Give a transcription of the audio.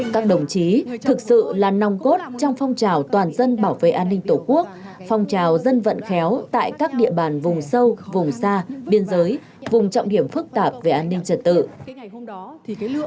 các đồng chí thực sự là nòng cốt trong phong trào toàn dân bảo vệ an ninh tổ quốc phong trào dân vận khéo tại các địa bàn vùng sâu vùng xa biên giới vùng trọng điểm phức tạp về an ninh trật tự